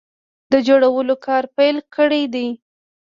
د جوړولو کار پیل کړی دی